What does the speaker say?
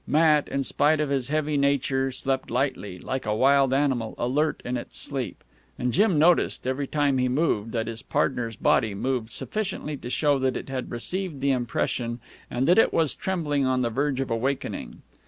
Matt, in spite of his heavy nature, slept lightly, like a wild animal alert in its sleep; and Jim noticed, every time he moved, that his partner's body moved sufficiently to show that it had received the impression and that it was trembling on the verge of awakening.